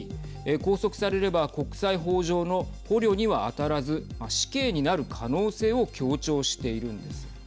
拘束されれば国際法上の捕虜には当たらず死刑になる可能性を強調しているんです。